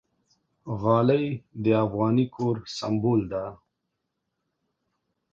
غالۍ د افغاني کور سِمبول ده.